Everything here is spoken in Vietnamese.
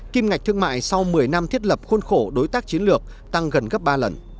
kim ngạch thương mại sau một mươi năm thiết lập khuôn khổ đối tác chiến lược tăng gần gấp ba lần